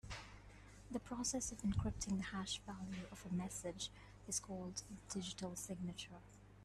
The process of encrypting the hash value of a message is called digital signature.